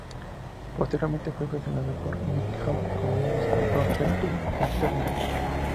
Posteriormente fue versionada por Nick Cave, en su disco "From Her to Eternity".